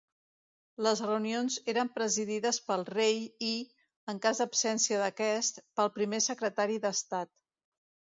Les reunions eren presidides pel rei i, en cas d'absència d'aquest, pel primer secretari d'Estat.